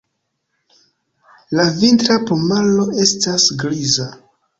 La vintra plumaro estas griza.